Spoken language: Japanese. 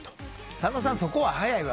佐野さん、そこは早いわ。